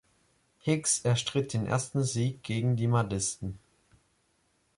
Hicks erstritt den ersten Sieg gegen die Mahdisten.